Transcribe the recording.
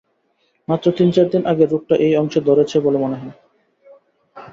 মাত্র তিন-চারদিন আগে রোগটা এই অংশে ধরেছে বলে মনে হয়।